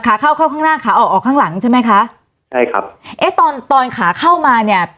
ขาเข้าเข้าข้างล่างขาออกออกข้างหลังใช่ไหมคะใช่ครับเอ๊ะตอนตอนขาเข้ามาเนี้ย